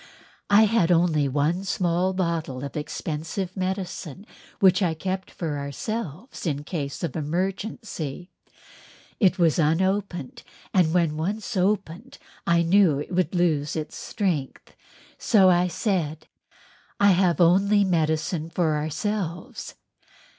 I had only one small bottle of expensive medicine which I kept for ourselves in case of emergency. It was unopened and when once opened I knew it would lose its strength. So I said: "I have only medicine for ourselves."